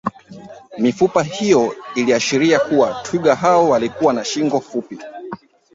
Mifupa hiyo iliashiria kuwa twiga hao walikuwa na shingo fupi